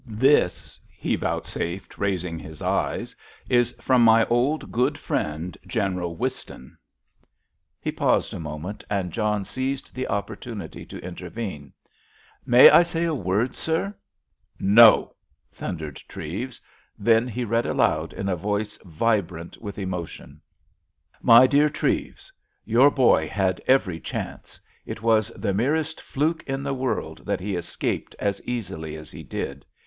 "This," he vouchsafed, raising his eyes, "is from my old, good friend, General Whiston." He paused a moment, and John seized the opportunity to intervene, "May I say a word, sir?" "No," thundered Treves. Then he read aloud in a voice vibrant with emotion: "_My dear Treves,—Your boy had every chance.... It was the merest fluke in the world that he escaped as easily as he did.